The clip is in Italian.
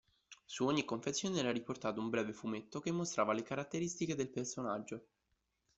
Su ogni confezione era riportato un breve fumetto che mostrava le caratteristiche del personaggio.